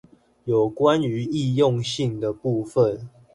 有關於易用性的部分